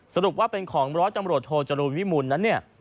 สรุปว่าเป็นของร้อยตำรวจโทจรูลวิมูลนั้นเนี่ย